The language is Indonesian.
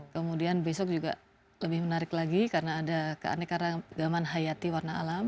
kemudian besok juga lebih menarik lagi karena ada keanekaragaman hayati warna alam